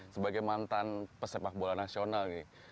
sebagai mantan pesepak bola nasional nih